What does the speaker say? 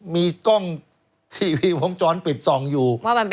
มีกล้องทีวีวงจรปิดส่องอยู่